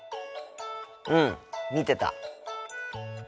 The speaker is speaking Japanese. うん見てた。